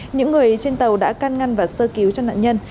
những người trên tàu đã can ngăn và sơ cứu cho nạn nhân